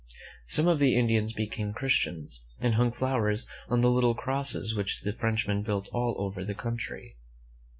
Some of the Indians became Christians, and hung flowers on the little crosses which the Frenchmen built all over the country.